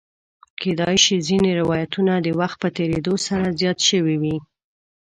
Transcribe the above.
کېدای شي ځینې روایتونه د وخت په تېرېدو سره زیات شوي وي.